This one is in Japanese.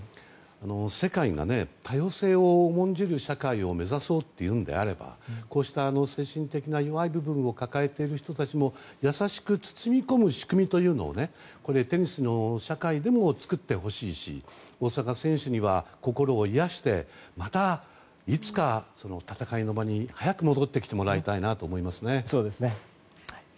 世界が多様性を重んじる社会を目指そうというのであればこうした精神的な弱い部分を抱えている人たちも優しく包み込む仕組みというのをテニスの社会でも作ってほしいし大坂選手には心を癒やしてまたいつか、戦いの場に早く戻ってきてもらいたいなと思いますね。